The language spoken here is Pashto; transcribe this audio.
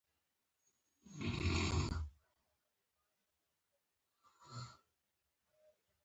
هغې وویل: سمه ده، خو له هغه وروسته باید ولاړه شم.